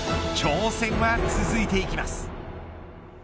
挑戦は続いていきます。